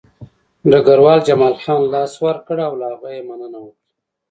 ډګروال جمال خان ته لاس ورکړ او له هغه یې مننه وکړه